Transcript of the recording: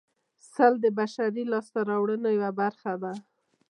سل د بشري لاسته راوړنو یوه برخه ده